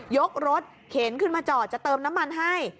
ยกรถเข็นขึ้นมาจอดจะเติมน้ำมันให้